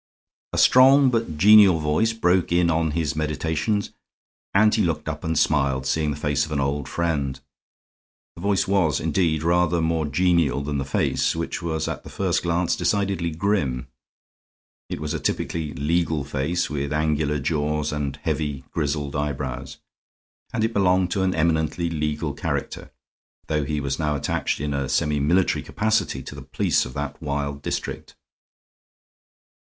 A strong but genial voice broke in on his meditations and he looked up and smiled, seeing the face of an old friend. The voice was, indeed, rather more genial than the face, which was at the first glance decidedly grim. It was a typically legal face, with angular jaws and heavy, grizzled eyebrows; and it belonged to an eminently legal character, though he was now attached in a semimilitary capacity to the police of that wild district.